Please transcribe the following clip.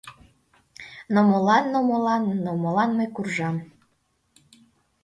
Но молан, но молан, но молан мый куржам